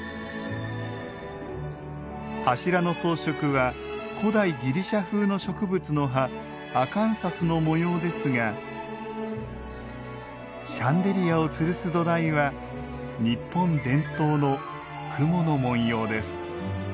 柱の装飾は古代ギリシャ風の植物の葉アカンサスの模様ですがシャンデリアをつるす土台は日本伝統の雲の文様です。